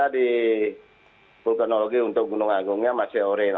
ada di vulkanologi untuk gunung agungnya masih orin